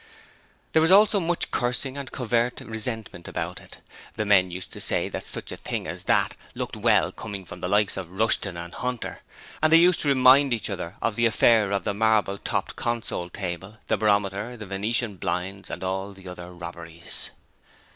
There was also much cursing and covert resentment about it; the men used to say that such a thing as that looked well coming from the likes of Rushton and Hunter, and they used to remind each other of the affair of the marble topped console table, the barometer, the venetian blinds and all the other robberies.